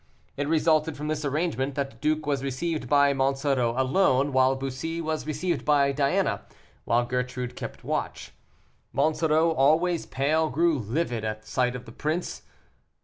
It resulted from this arrangement that the duke was received by Monsoreau alone, while Bussy was received by Diana, while Gertrude kept watch. Monsoreau, always pale, grew livid at sight of the prince.